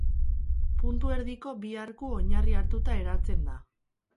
Puntu erdiko bi arku oinarri hartuta eratzen da.